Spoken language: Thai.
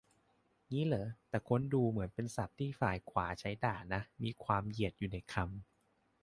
งี้เหรอ แต่ค้นดูเหมือนเป็นศัพท์ที่ฝ่ายขวาใช้ด่านะ มีความเหยียดอยู่ในคำ